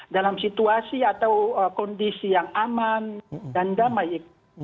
dalam situasi atau kondisi yang aman dan damai